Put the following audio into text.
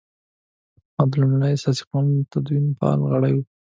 هغه د لومړني اساسي قانون د تدوین فعال غړی وو.